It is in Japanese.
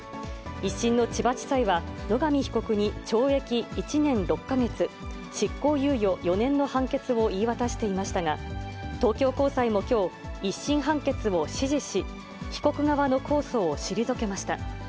１審の千葉地裁は、野上被告に懲役１年６か月、執行猶予４年の判決を言い渡していましたが、東京高裁もきょう、１審判決を支持し、被告側の控訴を退けました。